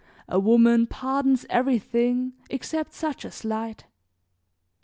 A woman pardons everything except such a slight.